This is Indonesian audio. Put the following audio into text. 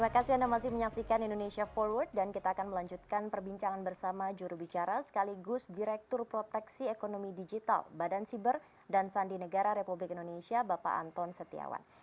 terima kasih anda masih menyaksikan indonesia forward dan kita akan melanjutkan perbincangan bersama jurubicara sekaligus direktur proteksi ekonomi digital badan siber dan sandi negara republik indonesia bapak anton setiawan